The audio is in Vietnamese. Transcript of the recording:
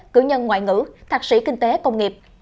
cử nhân ngoại ngữ thạc sĩ kinh tế công nghiệp